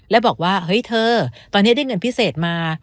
แล้วบอกว่าเฮ้ยเธอตอนนี้ได้เงินพิเศษมา